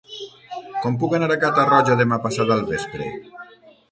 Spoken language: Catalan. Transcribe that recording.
Com puc anar a Catarroja demà passat al vespre?